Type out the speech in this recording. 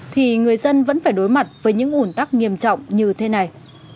thì người dân vẫn phải đối mặt với những ủn tắc nghiêm trọng như thế này